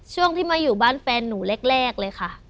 ช่วงที่มาอยู่บ้านแฟนหนูแรกเลยค่ะ